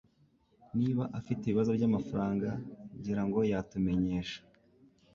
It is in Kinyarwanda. Niba afite ibibazo byamafaranga ngira ngo yatumenyesha